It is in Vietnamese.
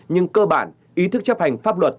nhưng cơ bản ý thức chấp hành pháp luật